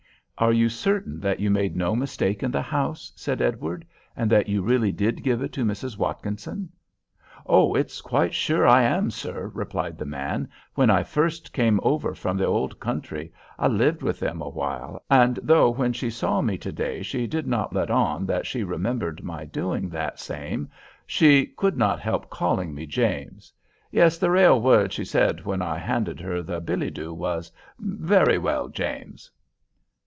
"Are you certain that you made no mistake in the house," said Edward, "and that you really did give it to Mrs. Watkinson?" "And it's quite sure I am, sir," replied the man, "when I first came over from the ould country I lived with them awhile, and though when she saw me to day, she did not let on that she remembered my doing that same, she could not help calling me James. Yes, the rale words she said when I handed her the billy dux was, 'Very well, James.